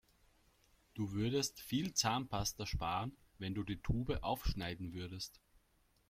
Du würdest viel Zahnpasta sparen, wenn du die Tube aufschneiden würdest.